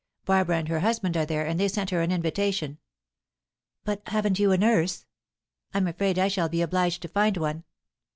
Barbara and her husband are there, and they sent her an invitation." "But haven't you a nurse?" "I'm afraid I shall be obliged to find one."